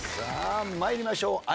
さあ参りましょう。